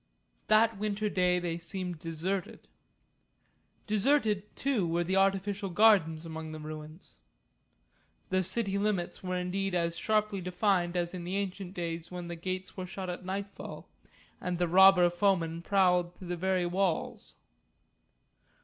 That winter day they seemed deserted. Deserted, too, were the artificial gardens among the ruins. The city limits were indeed as sharply defined as in the ancient days when the gates were shut at nightfall and the robber foeman prowled to the very walls.